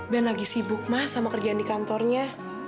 ben lagi sibuk mah sama kerjaan di kantornya